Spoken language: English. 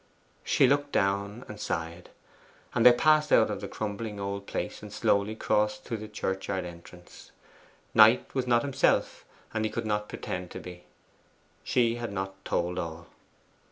She looked down and sighed; and they passed out of the crumbling old place, and slowly crossed to the churchyard entrance. Knight was not himself, and he could not pretend to be. She had not told all.